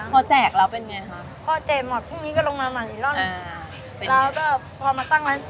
ก็คือเป็นว่าเราก็ขายได้เยอะ